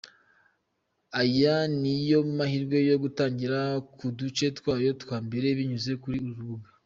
Aya niyo mahirwe yo gutangirira ku duce twayo twa mbere binyuze kuri uru rubuga.